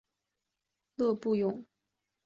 勒布永。